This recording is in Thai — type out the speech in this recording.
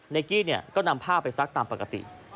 เนกกี้เนี่ยก็นำผ้าไปซักตามปกติ